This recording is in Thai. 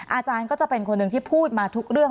อาจารย์ก็จะเป็นคนหนึ่งที่พูดมาทุกเรื่อง